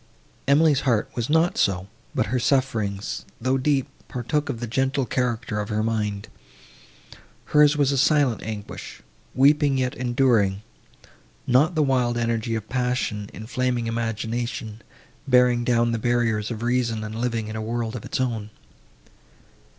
Emily's heart was not so; but her sufferings, though deep, partook of the gentle character of her mind. Hers was a silent anguish, weeping, yet enduring; not the wild energy of passion, inflaming imagination, bearing down the barriers of reason and living in a world of its own.